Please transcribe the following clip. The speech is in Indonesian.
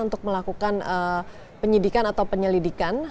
untuk melakukan penyidikan atau penyelidikan